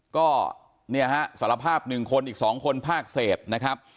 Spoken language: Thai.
ก็เนี้ยฮะสารภาพหนึ่งคนอีกสองคนภาคเศษนะครับ